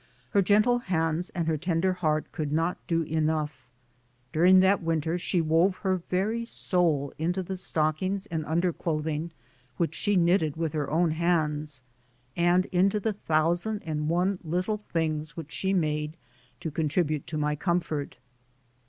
Her gentle hands and her ten der heart could not do enough ; during that winter she wove her very soul into the stockings and un derclothing which she knitted with her own hands, and into the thousand and one little things which she made to contribute to my comfort.